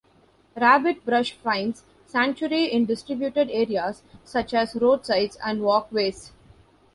Rabbitbrush finds sanctuary in disturbed areas, such as roadsides and walkways.